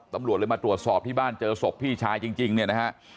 ตำรวจเลยมาตรวจสอบที่บ้านเจอศพพี่ชายจริงเนี่ยนะฮะ